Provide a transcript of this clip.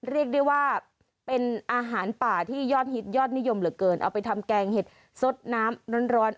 เรียกได้ว่าเป็นอาหารป่าที่ยอดฮิตยอดนิยมเหลือเกินเอาไปทำแกงเห็ดสดน้ำร้อน